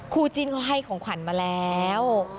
จิ้นเขาให้ของขวัญมาแล้ว